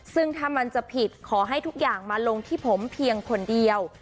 ซึ่งถ้ามันจะผิดขอให้ทุกอย่างมาลงที่ผมเพียงคนเดียว